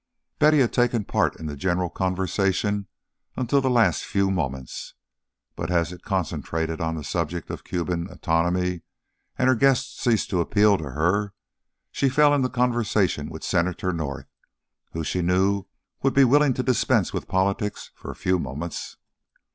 Betty had taken part in the general conversation until the last few moments, but as it concentrated on the subject of Cuban autonomy and her guests ceased to appeal to her, she fell into conversation with Senator North, who she knew would be willing to dispense with politics for a few moments.